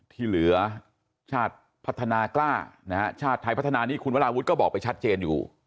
ที่เหลือชาติพัฒนากล้านะฮะชาติไทยพัฒนานี่คุณวราวุฒิก็บอกไปชัดเจนอยู่